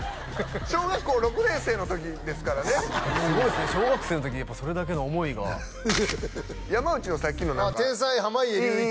小学校６年生の時ですからねすごいですね小学生の時にやっぱそれだけの思いが山内のさっきの何か「天才・濱家隆一」